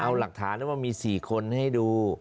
เอาหลักฐานแล้วว่ามี๔คนให้ดู